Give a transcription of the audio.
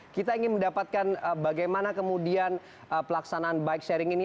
kita ingin mendapatkan bagaimana kemudian pelaksanaan bike sharing ini